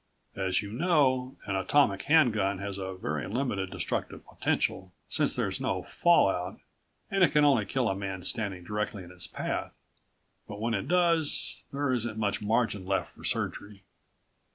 As you know, an atomic hand gun has a very limited destructive potential, since there's no fallout and it can only kill a man standing directly in its path. But when it does ... there isn't much margin left for surgery.